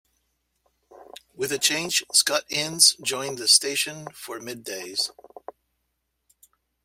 With the change, Scott Innes joined the station for middays.